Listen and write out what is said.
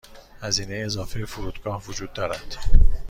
هزینه اضافه فرودگاه وجود دارد.